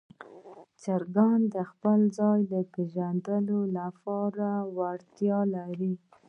چرګان د خپل ځای پېژندلو وړتیا لري.